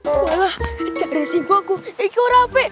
wah dari si boku iku rapi